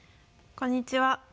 こんにちは。